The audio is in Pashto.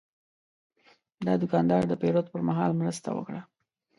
دا دوکاندار د پیرود پر مهال مرسته وکړه.